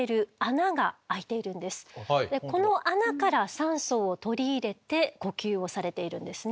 この穴から酸素を取り入れて呼吸をされているんですね。